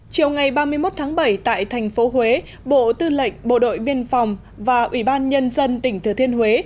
chiều ngày ba mươi một tháng bảy tại thành phố huế bộ tư lệnh bộ đội biên phòng và ủy ban nhân dân tỉnh thừa thiên huế